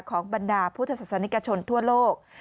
บรรดาพุทธศาสนิกชนทั่วโลก